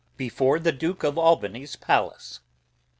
Before the Duke of Albany's Palace.